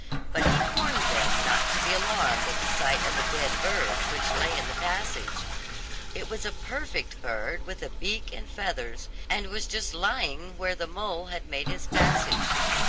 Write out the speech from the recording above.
But he warned them not to be alarmed at the sight of a dead bird which lay in the passage. It was a perfect bird, with a beak and feathers, and could not have been dead long, and was lying just where the mole had made his passage.